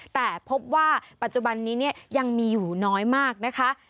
แต่พบว่าปัจจุบันนี้ยังมีอยู่น้อยมากนะคะ